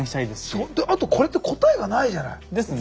あとこれって答えがないじゃない。ですね。